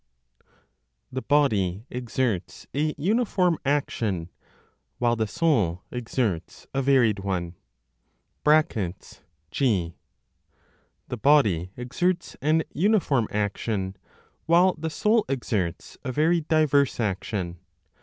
THE BODY EXERTS A UNIFORM ACTION, WHILE THE SOUL EXERTS A VARIED ONE. (g.) (The body exerts an uniform action, while the soul exerts a very diverse action.)